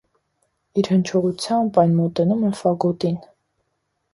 Իր հնչողությամբ այն մոտենում է ֆագոտին։